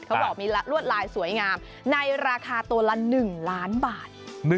เขาบอกมีลวดลายสวยงามในราคาตัวละ๑ล้านบาท